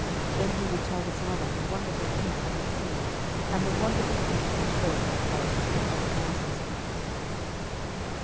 Then he would tell his mother the wonderful things he had seen, and the wonderful things he had heard in the forests and on the mountain sides.